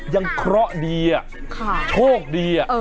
ยังเคราะห์ดีอะโชคดีอะ